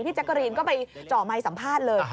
พี่แจ๊กกะรีนก็ไปเจาะไมสัมภาษณ์เลย